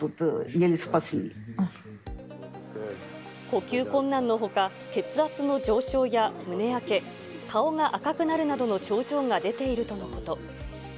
呼吸困難のほか、血圧の上昇や胸やけ、顔が赤くなるなどの症状が出ているとのこと。